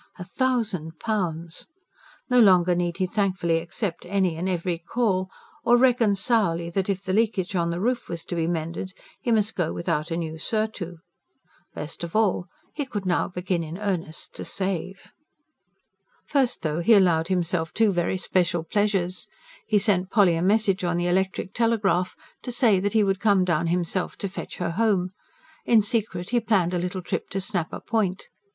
A thousand pounds! No longer need he thankfully accept any and every call; or reckon sourly that, if the leakage on the roof was to be mended, he must go without a new surtout. Best of all, he could now begin in earnest to save. First, though, he allowed himself two very special pleasures. He sent Polly a message on the electric telegraph to say that he would come down himself to fetch her home. In secret he planned a little trip to Schnapper Point.